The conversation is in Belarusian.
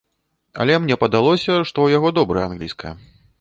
Але мне падалося, што ў яго добрая англійская.